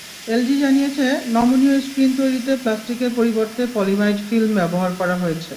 LG জানিয়েছে, নমনীয় screen তৈরিতে প্লাস্টিকের পরিবর্তে পলিমাইড ফিল্ম ব্যবহার করা হয়েছে।